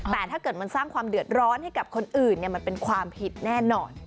แต่ถ้าเกิดมันสร้างความเดือดร้อนให้กับคนอื่นมันเป็นความผิดแน่นอน